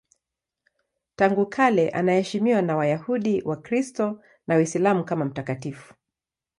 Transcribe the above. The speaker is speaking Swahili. Tangu kale anaheshimiwa na Wayahudi, Wakristo na Waislamu kama mtakatifu.